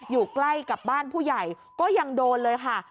อยู่ใกล้กับบ้านผู้ใหญ่ก็ยังโดนเลยค่ะ